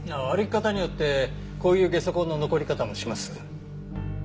歩き方によってこういうゲソ痕の残り方もします。